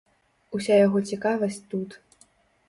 Уся яго цікавасць тут.